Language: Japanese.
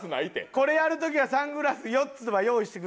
これやる時はサングラス４つは用意してくださいって。